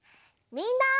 みんな！